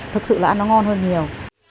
thực sự là ăn nó ngon hơn nhiều